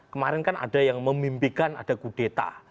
kemarin kan ada yang memimpikan ada kudeta